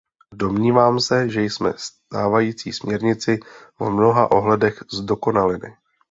Domnívám se, že jsme stávající směrnici v mnoha ohledech zdokonalili.